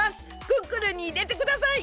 クックルンにいれてください！